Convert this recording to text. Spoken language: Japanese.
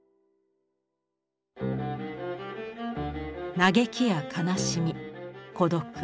嘆きや悲しみ孤独。